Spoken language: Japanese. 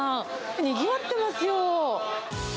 にぎわってますよ。